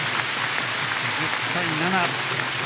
１０対７。